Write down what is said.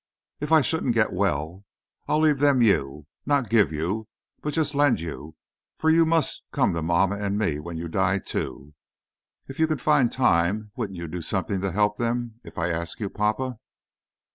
"If I shouldn't get well, I'll leave them you—not give you, but just lend you, for you must come to mamma and me when you die too. If you can find time, wouldn't you do something to help them, if I ask you, papa?"